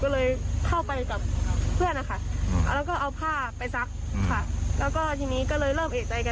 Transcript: ก็โทรหาพี่เกก็เรียกโมราณิทีมาให้ค่ะ